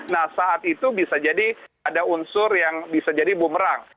nah saat itu bisa jadi ada unsur yang bisa jadi bumerang